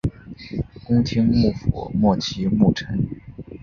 室町幕府末期幕臣。